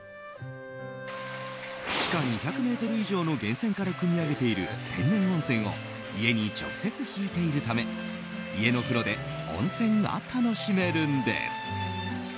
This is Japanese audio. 地下２００ｍ以上の源泉からくみ上げている天然温泉を家に直接引いているため家の風呂で温泉が楽しめるんです。